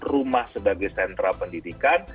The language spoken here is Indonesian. rumah sebagai sentra pendidikan